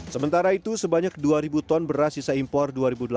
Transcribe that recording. sementara itu sebanyak dua ton beras sisa impor dua ribu delapan belas